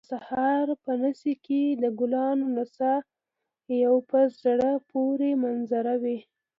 د سهار په نسي کې د ګلانو نڅا یو په زړه پورې منظر وي